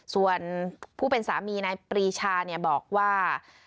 ส่วนผู้เป็นสามีนายปรีชาบอกว่า